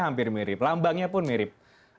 hampir mirip lambangnya pun mirip